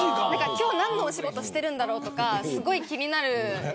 今日、何のお仕事してるんだろうとかすごく気になる。